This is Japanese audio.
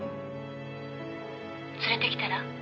連れてきたら？